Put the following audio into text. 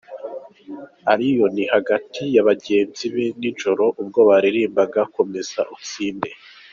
Allioni hagati ya bagenzi be nijoro ubwo baririmbaga Komeze Utsinde.